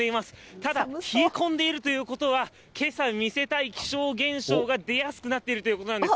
ただ、冷え込んでいるということは、けさ見せたい気象現象が出やすくなっているということなんです。